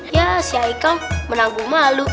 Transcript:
ya si aikam menang gue malu